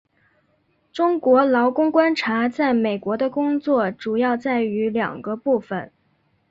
中国劳工观察在美国的工作主要在于两个部份。